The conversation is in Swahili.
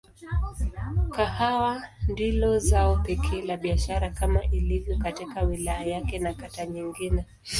Kahawa ndilo zao pekee la biashara kama ilivyo katika wilaya yake na kata nyingine.